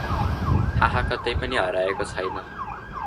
हाहा कतै पनि हराएको छैन।